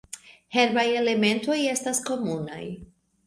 Herbaj elementoj estas komunaj.